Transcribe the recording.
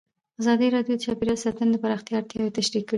ازادي راډیو د چاپیریال ساتنه د پراختیا اړتیاوې تشریح کړي.